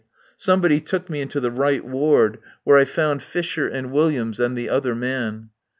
Somebody took me into the right ward, where I found Fisher and Williams and the other man.